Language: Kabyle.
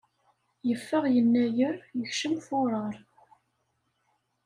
Yeffeɣ Yennayer, yekcem Furar.